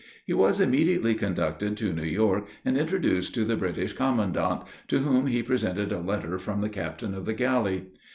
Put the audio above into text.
He was immediately conducted to New York, and introduced to the British commandant, to whom he presented a letter from the captain of the galley.